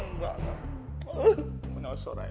tidak puedes zoray tok